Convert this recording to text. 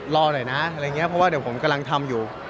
รอหน่อยนะเพราะว่าเดี๋ยวผมกำลังทำอยู่